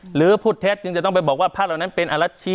หรือภูริเทศจึงต้องไปบอกว่าพระเราเป็น